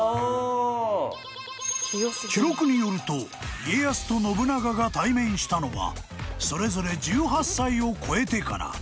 ［記録によると家康と信長が対面したのはそれぞれ１８歳を超えてから］